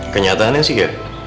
kenyataannya sih gat